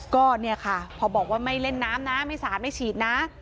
ก็พอบอกว่าไม่เล่นน้ำนะไม่สะดวกไม่ฉีดนะ